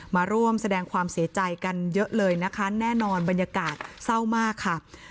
มาร่วมแสดงความเสียใจกันเยอะเลยนะคะแน่นอนบรรยากาศเศร้ามากค่ะ